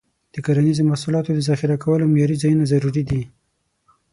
د کرنیزو محصولاتو د ذخیره کولو معیاري ځایونه ضروري دي.